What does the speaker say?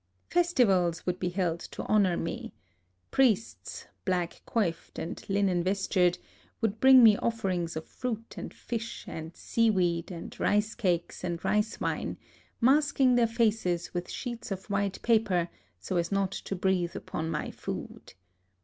Festivals would be held to honor me. Priests, black coiffed and linen vestured, would bring me offerings of fruits and fish and seaweed and rice cakes and rice wine, — masking their faces with sheets of white paper, so as not to breathe upon my food.